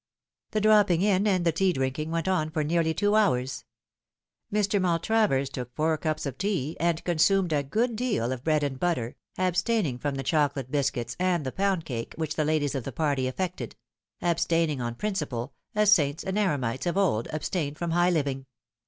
The dropping in and the tea drinking went on for nearly two hours. Mr. Maltravers took four cups of tea, and consumed a good deal of bread and butter, abstaining from the chocolate biscuits and the pound cake which the ladies of the party affected ; abstaining on principle, as saints and eremites of old abstained from high living.